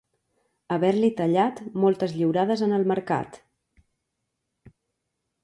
Haver-li tallat moltes lliurades en el mercat.